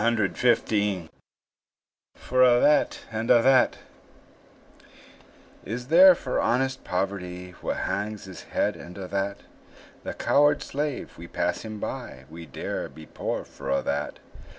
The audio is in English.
WOODWORTH FOR A' THAT AND A' THAT Is there for honest poverty Wha hangs his head, and a' that? The coward slave, we pass him by; We dare be poor for a' that.